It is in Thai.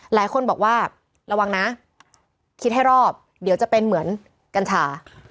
หลายคนบอกว่าระวังนะคิดให้รอบเดี๋ยวจะเป็นเหมือนกัญชา